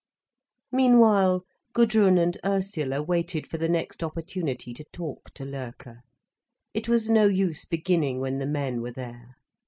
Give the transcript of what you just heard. Meanwhile Gudrun and Ursula waited for the next opportunity to talk to Loerke. It was no use beginning when the men were there.